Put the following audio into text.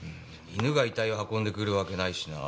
犬が遺体を運んでくるわけないしな。